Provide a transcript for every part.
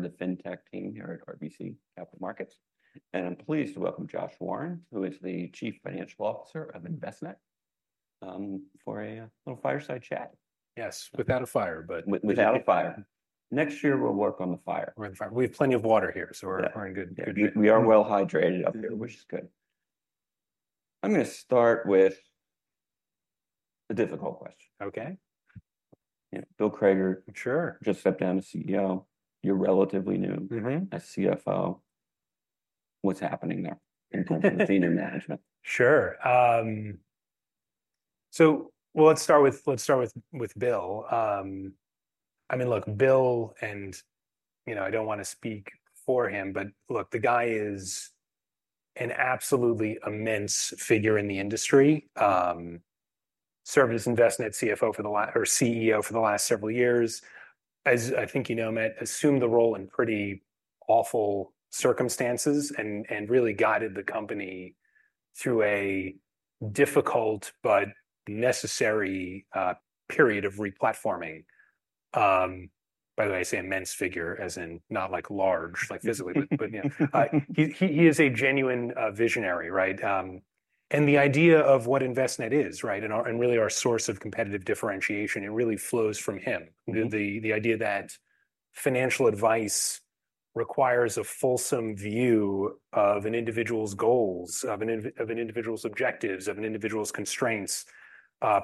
Part of the fintech team here at RBC Capital Markets. I'm pleased to welcome Josh Warren, who is the Chief Financial Officer of Envestnet for a little fireside chat. Yes, without a fire, but. Without a fire. Next year, we'll work on the fire. We have plenty of water here, so we're in good shape. We are well hydrated up here, which is good. I'm going to start with a difficult question. Okay. Bill Crager just stepped down as CEO. You're relatively new as CFO. What's happening there in terms of the senior management? Sure. So let's start with Bill. I mean, look, Bill, and I don't want to speak for him, but look, the guy is an absolutely immense figure in the industry. Served as Envestnet CFO or CEO for the last several years. As I think you know, he assumed the role in pretty awful circumstances and really guided the company through a difficult but necessary period of replatforming. By the way, I say immense figure as in not like large, like physically, but he is a genuine visionary. And the idea of what Envestnet is and really our source of competitive differentiation, it really flows from him. The idea that financial advice requires a fulsome view of an individual's goals, of an individual's objectives, of an individual's constraints,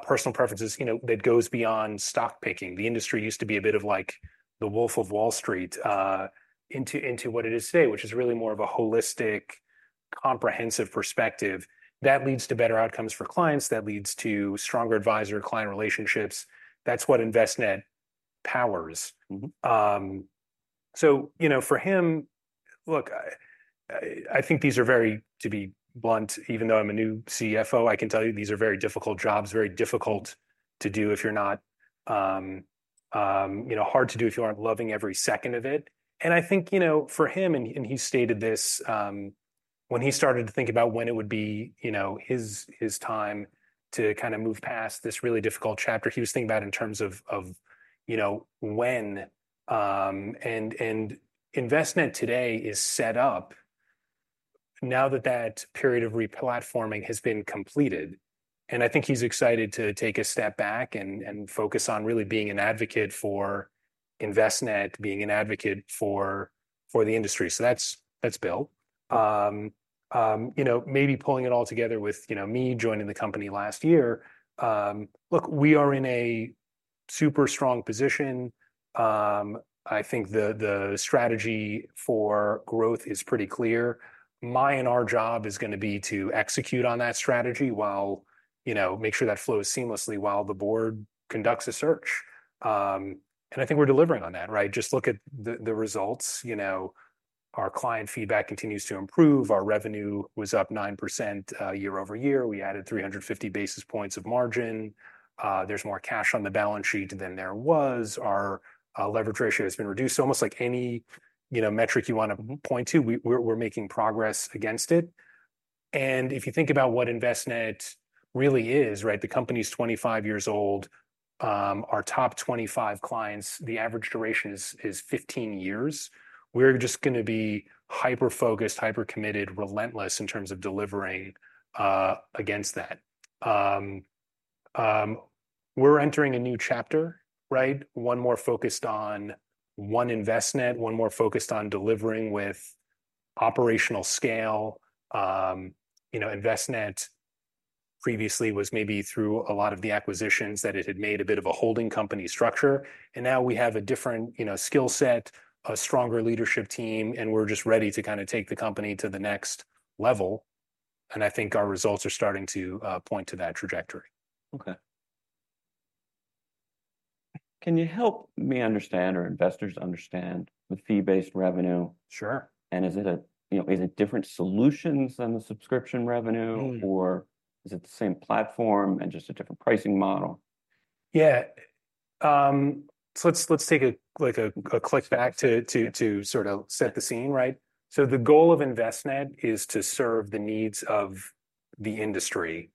personal preferences, that goes beyond stock picking. The industry used to be a bit of like the Wolf of Wall Street into what it is today, which is really more of a holistic, comprehensive perspective. That leads to better outcomes for clients. That leads to stronger advisor-client relationships. That's what Envestnet powers. So for him, look, I think these are very, to be blunt, even though I'm a new CFO, I can tell you these are very difficult jobs, very difficult to do if you're not hard to do if you aren't loving every second of it. And I think for him, and he stated this when he started to think about when it would be his time to kind of move past this really difficult chapter, he was thinking about it in terms of when. And Envestnet today is set up now that that period of replatforming has been completed. I think he's excited to take a step back and focus on really being an advocate for Envestnet, being an advocate for the industry. So that's Bill. Maybe pulling it all together with me joining the company last year. Look, we are in a super strong position. I think the strategy for growth is pretty clear. My and our job is going to be to execute on that strategy while make sure that flows seamlessly while the board conducts a search. And I think we're delivering on that. Just look at the results. Our client feedback continues to improve. Our revenue was up 9% year-over-year. We added 350 basis points of margin. There's more cash on the balance sheet than there was. Our leverage ratio has been reduced. So almost like any metric you want to point to, we're making progress against it. If you think about what Envestnet really is, the company's 25 years old. Our top 25 clients, the average duration is 15 years. We're just going to be hyper-focused, hyper-committed, relentless in terms of delivering against that. We're entering a new chapter, one more focused on one Envestnet, one more focused on delivering with operational scale. Envestnet previously was maybe through a lot of the acquisitions that it had made a bit of a holding company structure. Now we have a different skill set, a stronger leadership team, and we're just ready to kind of take the company to the next level. I think our results are starting to point to that trajectory. Okay. Can you help me understand or investors understand the fee-based revenue? Sure. Is it different solutions than the subscription revenue, or is it the same platform and just a different pricing model? Yeah. So let's take a step back to sort of set the scene. So the goal of Envestnet is to serve the needs of the industry.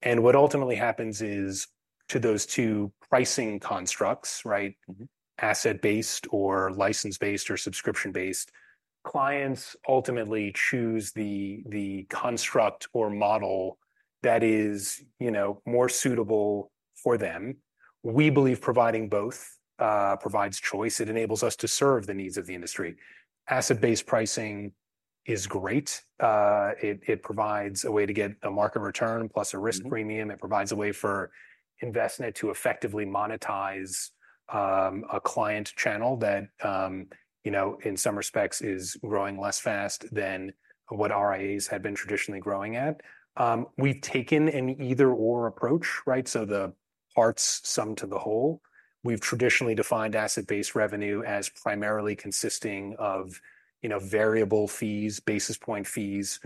And what ultimately happens is to those two pricing constructs, asset-based or license-based or subscription-based, clients ultimately choose the construct or model that is more suitable for them. We believe providing both provides choice. It enables us to serve the needs of the industry. Asset-based pricing is great. It provides a way to get a market return plus a risk premium. It provides a way for Envestnet to effectively monetize a client channel that, in some respects, is growing less fast than what RIAs had been traditionally growing at. We've taken an either/or approach, so the parts sum to the whole. We've traditionally defined asset-based revenue as primarily consisting of variable fees, basis point fees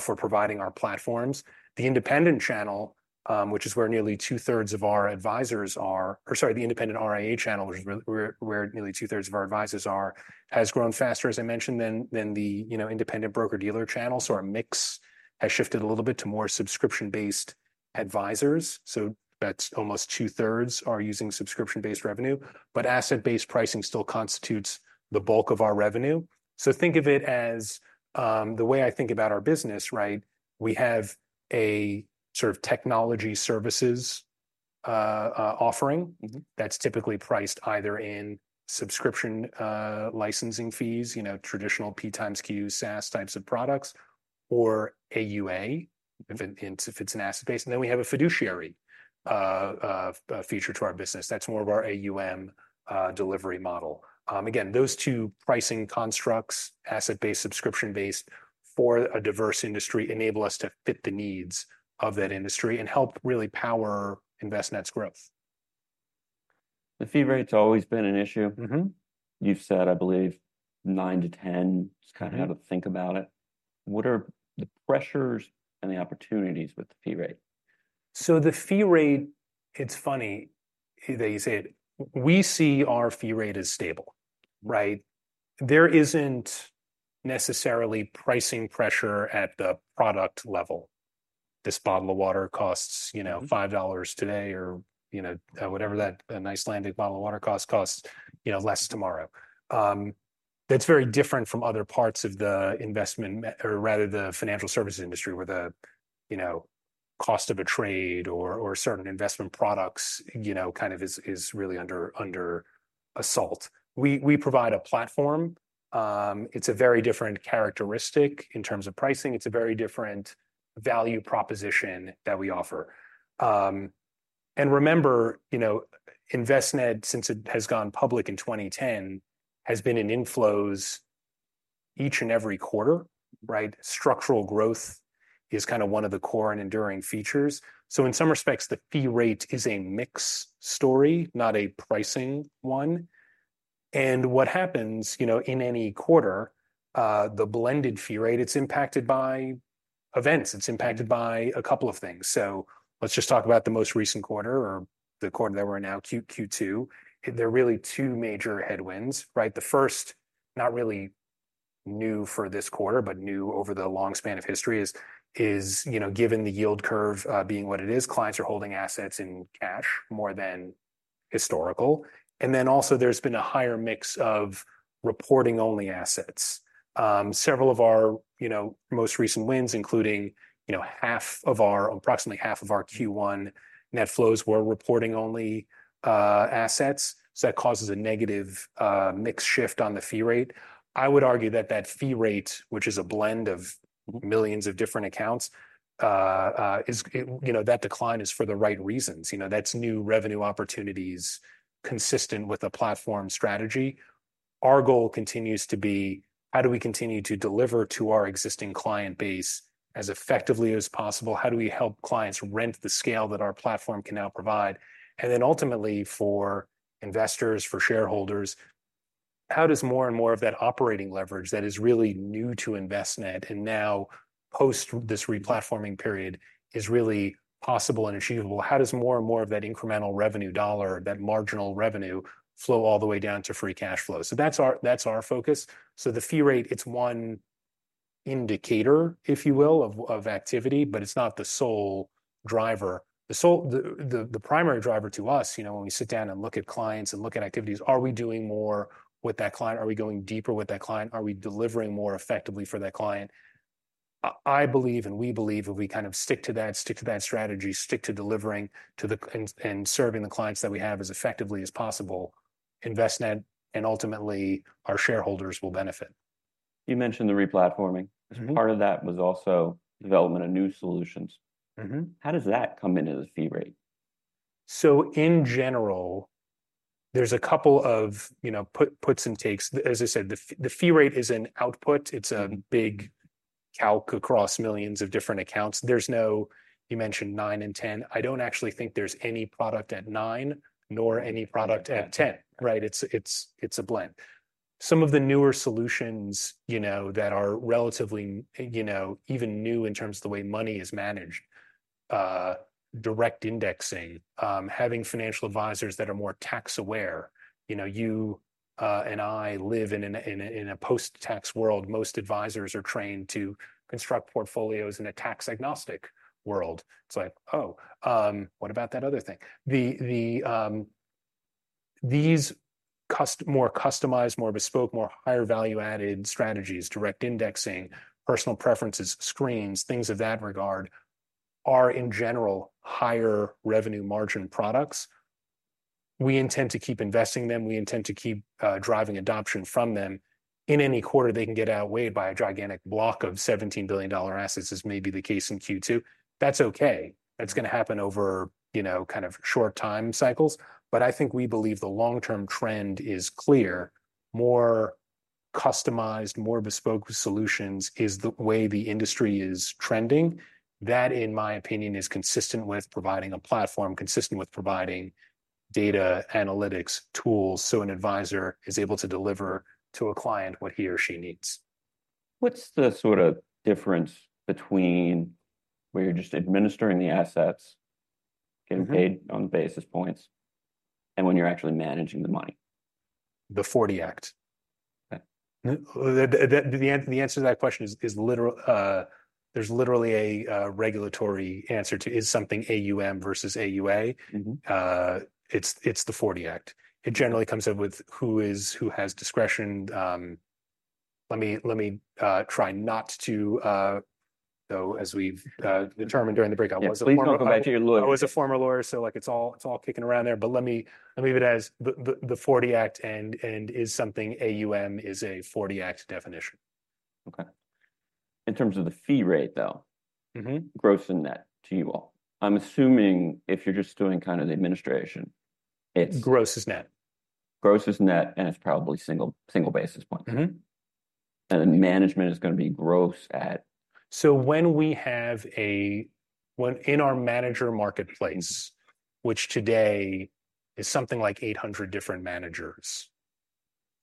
for providing our platforms. The independent channel, which is where nearly 2/3 of our advisors are, or sorry, the independent RIA channel, where nearly 2/3 of our advisors are, has grown faster, as I mentioned, than the independent broker-dealer channel. So our mix has shifted a little bit to more subscription-based advisors. So that's almost 2/3 are using subscription-based revenue. But asset-based pricing still constitutes the bulk of our revenue. So think of it as the way I think about our business. We have a sort of technology services offering that's typically priced either in subscription licensing fees, traditional PxQ, SaaS types of products, or AUA if it's an asset-based. And then we have a fiduciary feature to our business. That's more of our AUM delivery model. Again, those two pricing constructs, asset-based, subscription-based for a diverse industry, enable us to fit the needs of that industry and help really power Envestnet's growth. The fee rate's always been an issue. You've said, I believe, 9-10, just kind of how to think about it. What are the pressures and the opportunities with the fee rate? So the fee rate, it's funny that you say it. We see our fee rate as stable. There isn't necessarily pricing pressure at the product level. This bottle of water costs $5 today or whatever that Icelandic bottle of water costs less tomorrow. That's very different from other parts of the investment, or rather the financial services industry where the cost of a trade or certain investment products kind of is really under assault. We provide a platform. It's a very different characteristic in terms of pricing. It's a very different value proposition that we offer. And remember, Envestnet, since it has gone public in 2010, has been in inflows each and every quarter. Structural growth is kind of one of the core and enduring features. So in some respects, the fee rate is a mixed story, not a pricing one. What happens in any quarter, the blended fee rate, it's impacted by events. It's impacted by a couple of things. So let's just talk about the most recent quarter or the quarter that we're in now, Q2. There are really two major headwinds. The first, not really new for this quarter, but new over the long span of history, is given the yield curve being what it is, clients are holding assets in cash more than historical. And then also there's been a higher mix of reporting-only assets. Several of our most recent wins, including approximately half of our Q1 net flows were reporting-only assets. So that causes a negative mix shift on the fee rate. I would argue that that fee rate, which is a blend of millions of different accounts, that decline is for the right reasons. That's new revenue opportunities consistent with a platform strategy. Our goal continues to be, how do we continue to deliver to our existing client base as effectively as possible? How do we help clients rent the scale that our platform can now provide? And then ultimately for investors, for shareholders, how does more and more of that operating leverage that is really new to Envestnet and now post this replatforming period is really possible and achievable? How does more and more of that incremental revenue dollar, that marginal revenue, flow all the way down to free cash flow? So that's our focus. So the fee rate, it's one indicator, if you will, of activity, but it's not the sole driver. The primary driver to us, when we sit down and look at clients and look at activities, are we doing more with that client? Are we going deeper with that client? Are we delivering more effectively for that client? I believe, and we believe, if we kind of stick to that, stick to that strategy, stick to delivering and serving the clients that we have as effectively as possible, Envestnet and ultimately our shareholders will benefit. You mentioned the replatforming. Part of that was also development of new solutions. How does that come into the fee rate? In general, there's a couple of puts and takes. As I said, the fee rate is an output. It's a big calc across millions of different accounts. You mentioned nine and 10. I don't actually think there's any product at nine nor any product at 10. It's a blend. Some of the newer solutions that are relatively even new in terms of the way money is managed, direct indexing, having financial advisors that are more tax aware. You and I live in a post-tax world. Most advisors are trained to construct portfolios in a tax-agnostic world. It's like, "Oh, what about that other thing?" These more customized, more bespoke, more higher value-added strategies, direct indexing, personal preferences, screens, things of that regard are in general higher revenue margin products. We intend to keep investing them. We intend to keep driving adoption from them. In any quarter, they can get outweighed by a gigantic block of $17 billion assets, as may be the case in Q2. That's okay. That's going to happen over kind of short time cycles. But I think we believe the long-term trend is clear. More customized, more bespoke solutions is the way the industry is trending. That, in my opinion, is consistent with providing a platform, consistent with providing data analytics tools so an advisor is able to deliver to a client what he or she needs. What's the sort of difference between where you're just administering the assets, getting paid on basis points, and when you're actually managing the money? The 40 Act. The answer to that question is literally a regulatory answer to is something AUM versus AUA. It's the 40 Act. It generally comes up with who has discretion. Let me try not to. So as we've determined during the breakout, was it a former lawyer? I was a former lawyer, so it's all kicking around there. But let me leave it as the 40 Act and is something AUM is a 40 Act definition. Okay. In terms of the fee rate, though, gross and net to you all, I'm assuming if you're just doing kind of the administration, it's. Gross is net. Gross is net, and it's probably single basis point. And then management is going to be gross at. So when we have in our manager marketplace, which today is something like 800 different managers,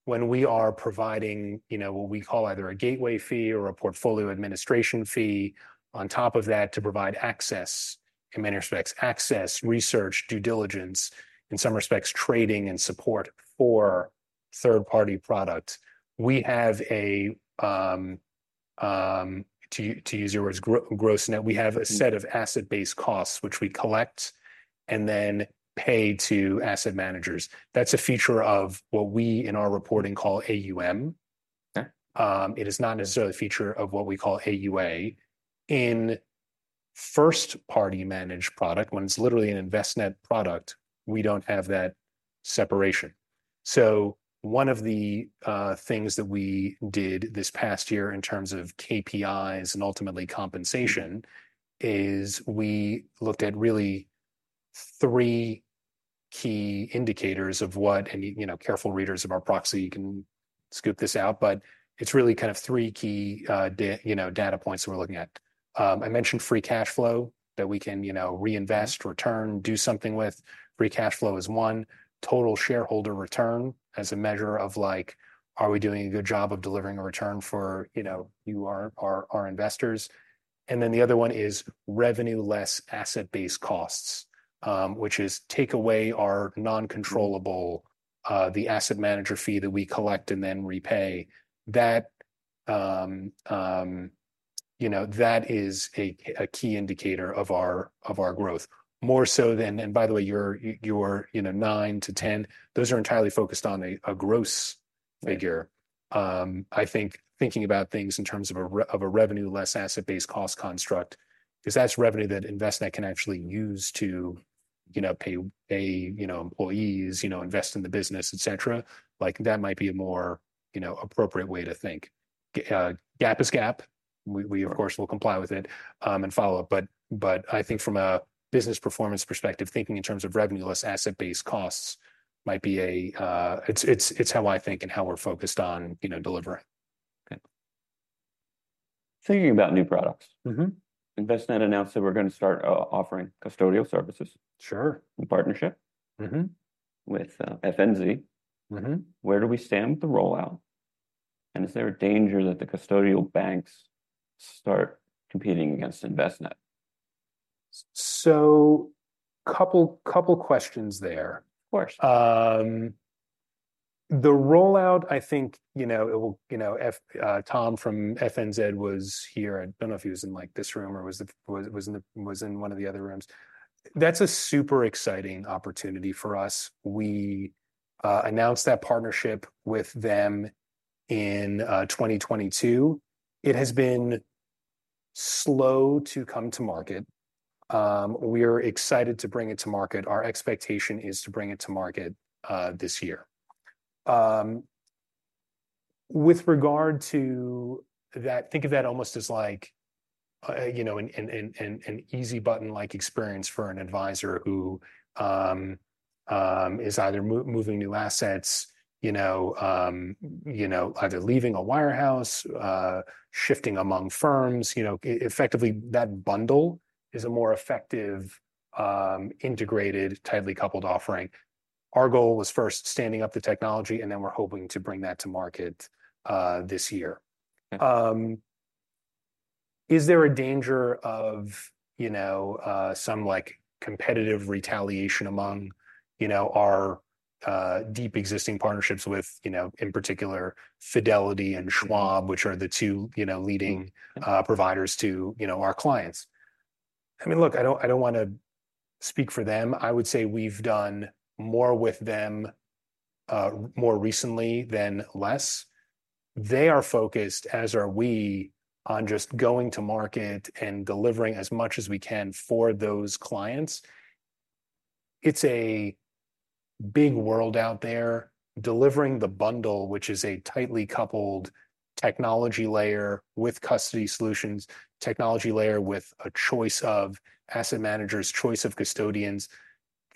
when we are providing what we call either a gateway fee or a portfolio administration fee on top of that to provide access, in many respects, access, research, due diligence, in some respects, trading and support for third-party products, we have a, to use your words, gross net, we have a set of asset-based costs which we collect and then pay to asset managers. That's a feature of what we in our reporting call AUM. It is not necessarily a feature of what we call AUA. In first-party managed product, when it's literally an Envestnet product, we don't have that separation. So one of the things that we did this past year in terms of KPIs and ultimately compensation is we looked at really three key indicators of what, and careful readers of our proxy, you can scope this out, but it's really kind of three key data points that we're looking at. I mentioned free cash flow that we can reinvest, return, do something with. Free cash flow is one. Total shareholder return as a measure of like, are we doing a good job of delivering a return for you, our investors? And then the other one is revenue less asset-based costs, which is take away our non-controllable, the asset manager fee that we collect and then repay. That is a key indicator of our growth. More so than, and by the way, your 9-10, those are entirely focused on a gross figure. I think thinking about things in terms of a revenue less asset-based cost construct, because that's revenue that Envestnet can actually use to pay employees, invest in the business, et cetera, that might be a more appropriate way to think. GAAP is GAAP. We, of course, will comply with it and follow up. But I think from a business performance perspective, thinking in terms of revenue less asset-based costs might be a, it's how I think and how we're focused on delivering. Thinking about new products, Envestnet announced that we're going to start offering custodial services. Sure. In partnership with FNZ. Where do we stand with the rollout? And is there a danger that the custodial banks start competing against Envestnet? A couple questions there. Of course. The rollout, I think Tom from FNZ was here. I don't know if he was in this room or was in one of the other rooms. That's a super exciting opportunity for us. We announced that partnership with them in 2022. It has been slow to come to market. We are excited to bring it to market. Our expectation is to bring it to market this year. With regard to that, think of that almost as like an easy button-like experience for an advisor who is either moving new assets, either leaving a wirehouse, shifting among firms. Effectively, that bundle is a more effective, integrated, tightly coupled offering. Our goal was first standing up the technology, and then we're hoping to bring that to market this year. Is there a danger of some competitive retaliation among our deep existing partnerships with, in particular, Fidelity and Schwab, which are the two leading providers to our clients? I mean, look, I don't want to speak for them. I would say we've done more with them more recently than less. They are focused, as are we, on just going to market and delivering as much as we can for those clients. It's a big world out there. Delivering the bundle, which is a tightly coupled technology layer with custody solutions, technology layer with a choice of asset managers, choice of custodians,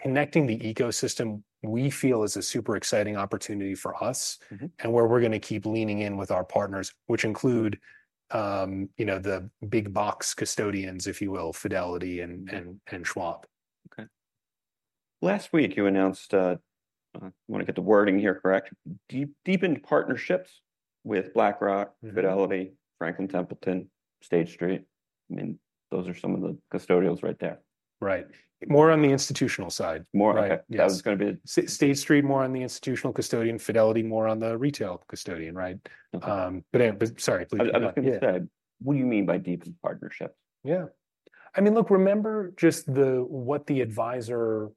connecting the ecosystem, we feel is a super exciting opportunity for us and where we're going to keep leaning in with our partners, which include the big box custodians, if you will, Fidelity and Schwab. Okay. Last week, you announced, I want to get the wording here correct, deepened partnerships with BlackRock, Fidelity, Franklin Templeton, State Street. I mean, those are some of the custodians right there. Right. More on the institutional side. More on, that was going to be State Street, more on the institutional custodian, Fidelity, more on the retail custodian, right? But sorry, please. I was going to say, what do you mean by deepened partnerships? Yeah. I mean, look, remember just what the advisor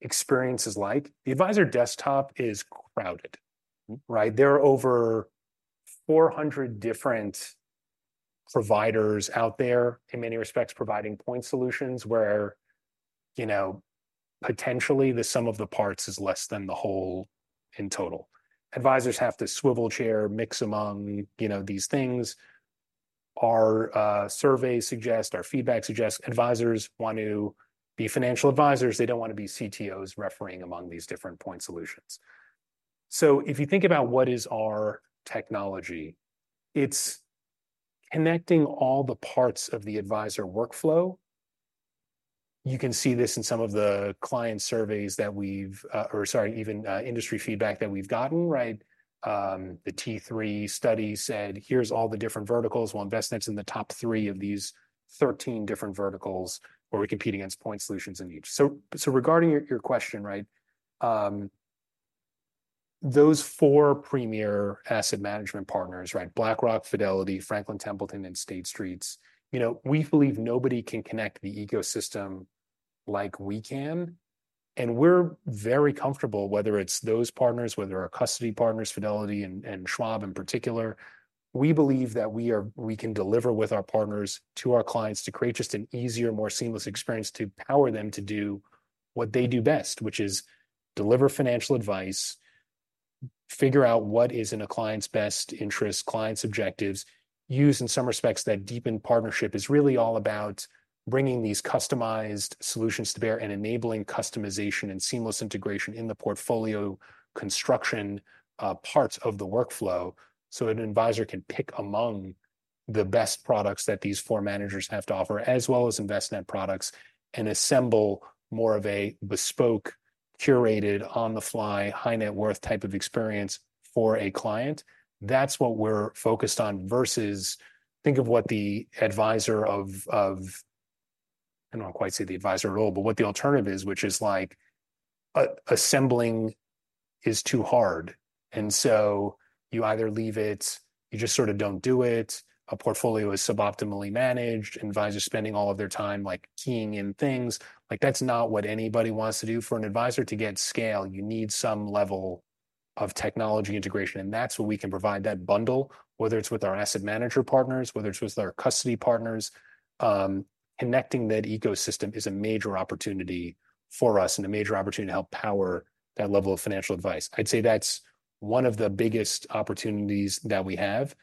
experience is like. The advisor desktop is crowded. There are over 400 different providers out there in many respects providing point solutions where potentially the sum of the parts is less than the whole in total. Advisors have to swivel chair, mix among these things. Our surveys suggest, our feedback suggests advisors want to be financial advisors. They don't want to be CTOs referring among these different point solutions. So if you think about what is our technology, it's connecting all the parts of the advisor workflow. You can see this in some of the client surveys that we've, or sorry, even industry feedback that we've gotten. The T3 study said, here's all the different verticals. Well, Envestnet's in the top three of these 13 different verticals where we compete against point solutions in each. Regarding your question, those four premier asset management partners, BlackRock, Fidelity, Franklin Templeton, and State Street, we believe nobody can connect the ecosystem like we can. And we're very comfortable whether it's those partners, whether our custody partners, Fidelity, and Schwab in particular, we believe that we can deliver with our partners to our clients to create just an easier, more seamless experience to power them to do what they do best, which is deliver financial advice, figure out what is in a client's best interest, client's objectives, use in some respects that deepened partnership is really all about bringing these customized solutions to bear and enabling customization and seamless integration in the portfolio construction parts of the workflow so an advisor can pick among the best products that these four managers have to offer, as well as Envestnet products, and assemble more of a bespoke, curated, on-the-fly, high-net-worth type of experience for a client. That's what we're focused on versus think of what the advisor of, I don't want to quite say the advisor at all, but what the alternative is, which is like assembling is too hard. And so you either leave it, you just sort of don't do it. A portfolio is suboptimally managed. Advisors spending all of their time keying in things. That's not what anybody wants to do for an advisor to get scale. You need some level of technology integration. And that's what we can provide that bundle, whether it's with our asset manager partners, whether it's with our custody partners. Connecting that ecosystem is a major opportunity for us and a major opportunity to help power that level of financial advice. I'd say that's one of the biggest opportunities that we have.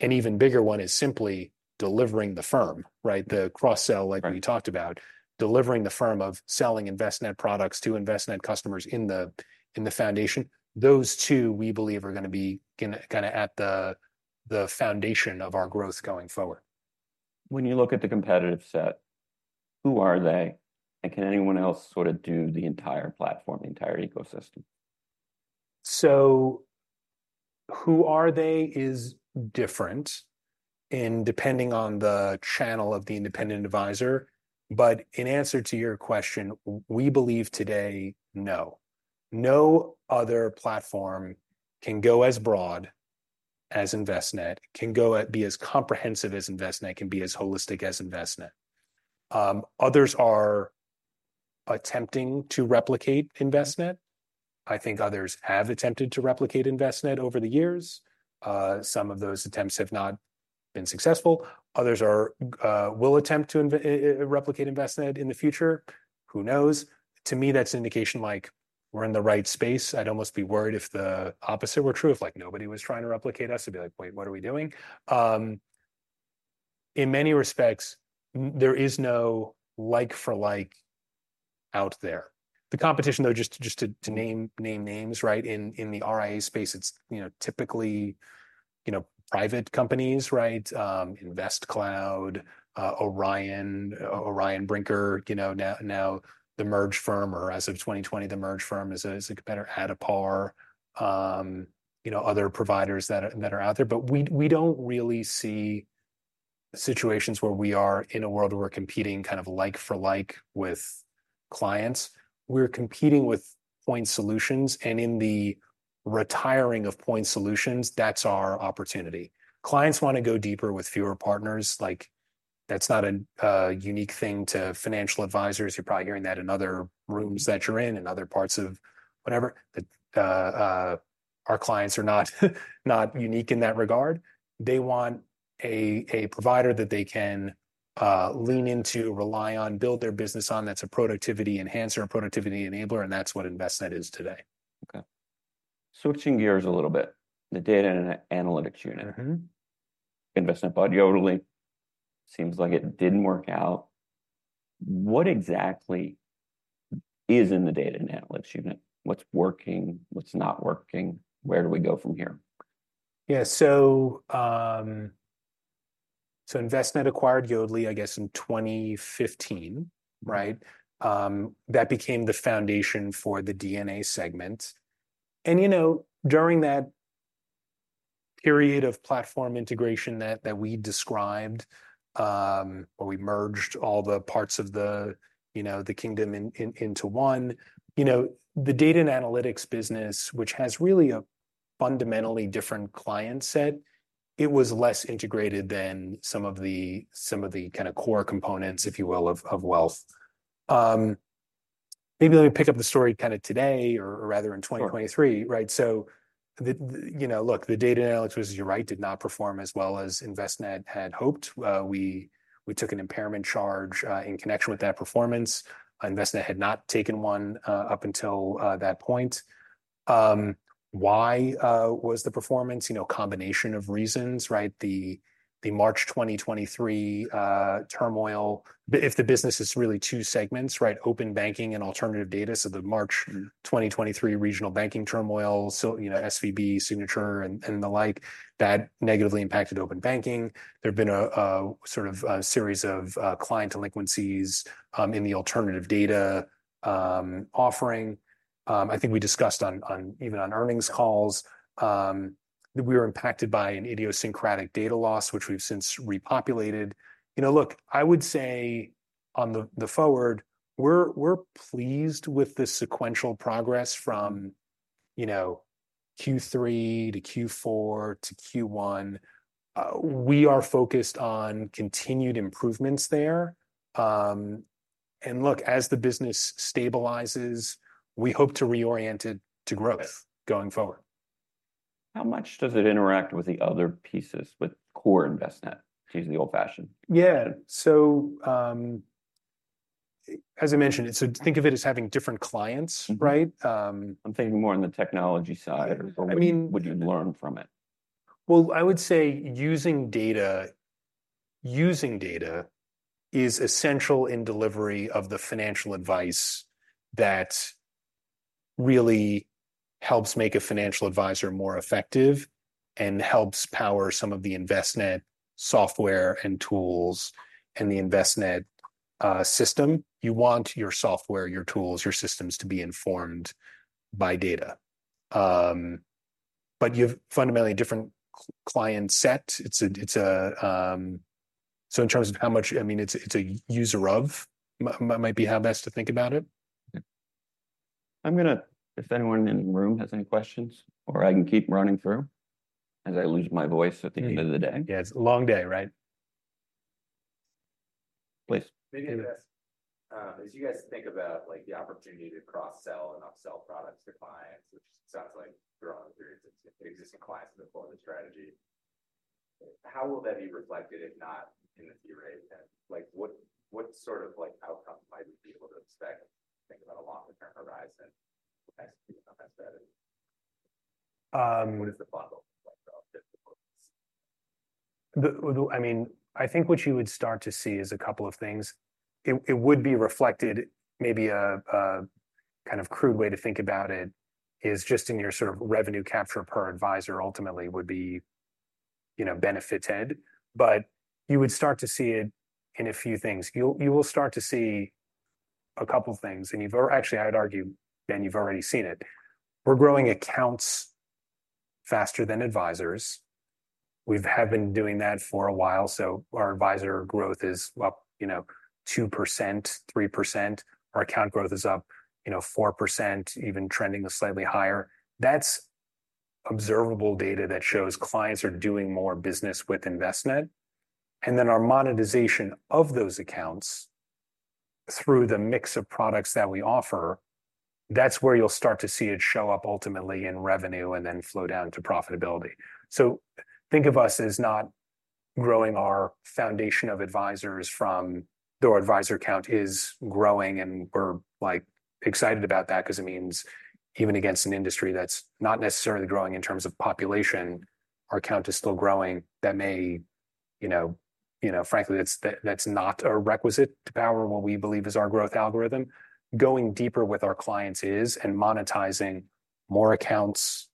An even bigger one is simply delivering the firm, the cross-sell like we talked about, delivering the firm of selling Envestnet products to Envestnet customers in the foundation. Those two, we believe, are going to be kind of at the foundation of our growth going forward. When you look at the competitive set, who are they? And can anyone else sort of do the entire platform, the entire ecosystem? So who are they is different in depending on the channel of the independent advisor. But in answer to your question, we believe today, no. No other platform can go as broad as Envestnet, can be as comprehensive as Envestnet, can be as holistic as Envestnet. Others are attempting to replicate Envestnet. I think others have attempted to replicate Envestnet over the years. Some of those attempts have not been successful. Others will attempt to replicate Envestnet in the future. Who knows? To me, that's an indication like we're in the right space. I'd almost be worried if the opposite were true, if like nobody was trying to replicate us, it'd be like, wait, what are we doing? In many respects, there is no like-for-like out there. The competition, though, just to name names, in the RIA space, it's typically private companies, InvestCloud, Orion, Orion Brinker, now the merged firm, or as of 2020, the merged firm is a competitor, Addepar, other providers that are out there. But we don't really see situations where we are in a world where we're competing kind of like-for-like with clients. We're competing with point solutions. And in the retiring of point solutions, that's our opportunity. Clients want to go deeper with fewer partners. That's not a unique thing to financial advisors. You're probably hearing that in other rooms that you're in, in other parts of whatever. Our clients are not unique in that regard. They want a provider that they can lean into, rely on, build their business on. That's a productivity enhancer or productivity enabler. And that's what Envestnet is today. Okay. Switching gears a little bit, the data and analytics unit. Envestnet bought Yodlee. Seems like it didn't work out. What exactly is in the data and analytics unit? What's working? What's not working? Where do we go from here? Yeah. So Envestnet acquired Yodlee, I guess, in 2015. That became the foundation for the DNA segment. And during that period of platform integration that we described, where we merged all the parts of the kingdom into one, the data and analytics business, which has really a fundamentally different client set, it was less integrated than some of the kind of core components, if you will, of wealth. Maybe let me pick up the story kind of today, or rather in 2023. So look, the data and analytics business, you're right, did not perform as well as Envestnet had hoped. We took an impairment charge in connection with that performance. Envestnet had not taken one up until that point. Why was the performance? Combination of reasons. The March 2023 turmoil, if the business is really two segments, open banking and alternative data. So the March 2023 regional banking turmoil, SVB, Signature, and the like, that negatively impacted open banking. There've been a sort of series of client delinquencies in the alternative data offering. I think we discussed even on earnings calls that we were impacted by an idiosyncratic data loss, which we've since repopulated. Look, I would say on the forward, we're pleased with the sequential progress from Q3 to Q4 to Q1. We are focused on continued improvements there. And look, as the business stabilizes, we hope to reorient it to growth going forward. How much does it interact with the other pieces, with core Envestnet? To use the old-fashioned. Yeah. So as I mentioned, so think of it as having different clients. I'm thinking more on the technology side. What do you learn from it? Well, I would say using data is essential in delivery of the financial advice that really helps make a financial advisor more effective and helps power some of the Envestnet software and tools and the Envestnet system. You want your software, your tools, your systems to be informed by data. But you have fundamentally a different client set. So in terms of how much, I mean, it's a user of might be how best to think about it. I'm going to, if anyone in the room has any questions, or I can keep running through as I lose my voice at the end of the day. Yeah, it's a long day, right? Please. Maybe I guess, as you guys think about the opportunity to cross-sell and upsell products to clients, which sounds like you're on the very existing clients' performance strategy, how will that be reflected, if not in the theory? What sort of outcome might we be able to expect? Think about a longer-term horizon. What does the bundle look like? I mean, I think what you would start to see is a couple of things. It would be reflected, maybe a kind of crude way to think about it, is just in your sort of revenue capture per advisor ultimately would be benefited. But you would start to see it in a few things. You will start to see a couple of things. And actually, I would argue, Dan, you've already seen it. We're growing accounts faster than advisors. We have been doing that for a while. So our advisor growth is up 2%, 3%. Our account growth is up 4%, even trending slightly higher. That's observable data that shows clients are doing more business with Envestnet. And then our monetization of those accounts through the mix of products that we offer, that's where you'll start to see it show up ultimately in revenue and then flow down to profitability. So, think of us as not growing our foundation of advisors from the advisor count is growing. And we're excited about that because it means even against an industry that's not necessarily growing in terms of population, our count is still growing. That may, frankly, that's not a requisite to power what we believe is our growth algorithm. Going deeper with our clients is and monetizing more accounts,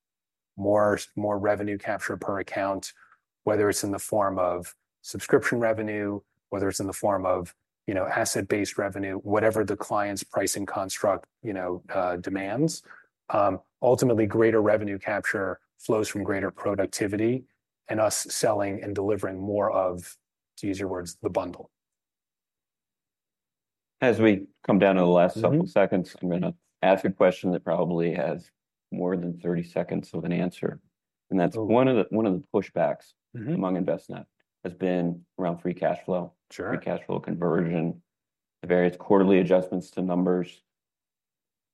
more revenue capture per account, whether it's in the form of subscription revenue, whether it's in the form of asset-based revenue, whatever the client's pricing construct demands. Ultimately, greater revenue capture flows from greater productivity and us selling and delivering more of, to use your words, the bundle. As we come down to the last couple of seconds, I'm going to ask a question that probably has more than 30 seconds of an answer. That's one of the pushbacks among Envestnet has been around free cash flow, free cash flow conversion, the various quarterly adjustments to numbers.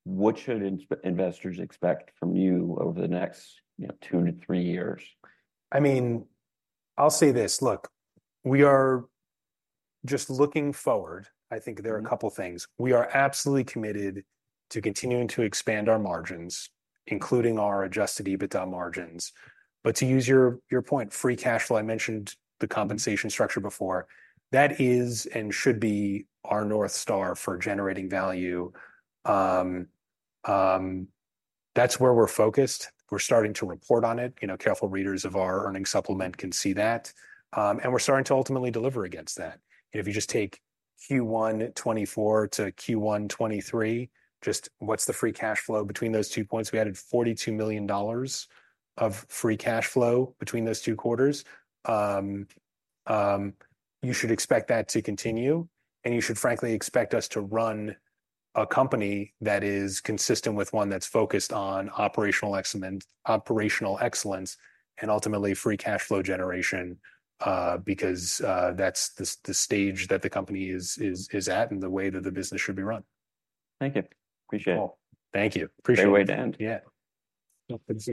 What should investors expect from you over the next 2-3 years? I mean, I'll say this. Look, we are just looking forward. I think there are a couple of things. We are absolutely committed to continuing to expand our margins, including our adjusted EBITDA margins. But to use your point, free cash flow, I mentioned the compensation structure before. That is and should be our north star for generating value. That's where we're focused. We're starting to report on it. Careful readers of our earnings supplement can see that. And we're starting to ultimately deliver against that. If you just take Q1 2024 to Q1 2023, just what's the free cash flow between those two points? We added $42 million of free cash flow between those two quarters. You should expect that to continue. You should, frankly, expect us to run a company that is consistent with one that's focused on operational excellence and ultimately free cash flow generation because that's the stage that the company is at and the way that the business should be run. Thank you. Appreciate it. Thank you. Appreciate it. Great way to end. Yeah. Well, this.